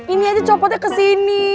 ini aja copotnya kesini